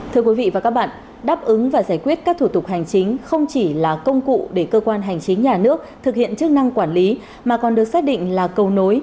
thưa quý vị và các bạn đáp ứng và giải quyết các thủ tục hành chính không chỉ là công cụ để cơ quan hành chính nhà nước thực hiện chức năng quản lý mà còn được xác định là cầu nối